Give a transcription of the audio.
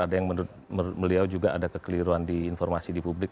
ada yang menurut beliau juga ada kekeliruan di informasi di publik